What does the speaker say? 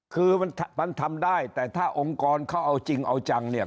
คือมันทำได้แต่ถ้าองค์กรเขาเอาจริงเอาจังเนี่ย